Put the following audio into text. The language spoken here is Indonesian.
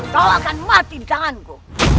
kau akan mati di tanganku